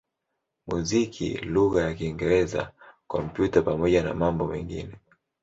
muziki lugha ya Kiingereza, Kompyuta pamoja na mambo mengine.